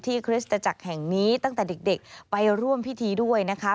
คริสตจักรแห่งนี้ตั้งแต่เด็กไปร่วมพิธีด้วยนะคะ